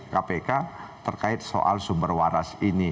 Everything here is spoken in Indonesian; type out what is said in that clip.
kpk terkait soal sumber waras ini